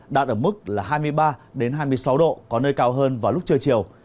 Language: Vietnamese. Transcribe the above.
đạt ở mức là hai mươi ba hai mươi sáu độ có nơi cao hơn vào lúc trưa chiều